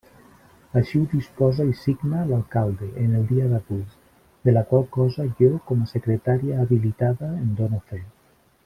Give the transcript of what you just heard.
Així ho disposa i signa l'alcalde, en el dia d'avui, de la qual cosa jo, com a secretària habilitada, en dono fe.